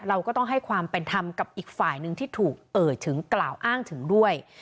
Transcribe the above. เราก็ต้องให้ความเป็นธรรมกับอีกฝ่ายหนึ่งที่ถูกเอ่ยถึงกล่าวอ้างถึงด้วย